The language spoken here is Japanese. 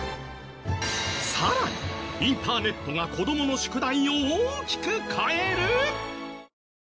さらにインターネットが子供の宿題を大きく変える！？